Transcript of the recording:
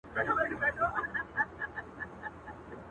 • خو شعر په مشخصه او ټاکلې ژبه لیکل کیږي -